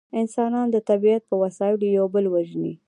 انسانان د طبیعت په وسایلو یو بل وژني